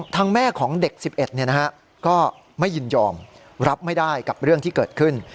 แม่ของเด็ก๑๑ก็ไม่ยินยอมรับไม่ได้กับเรื่องที่เกิดขึ้น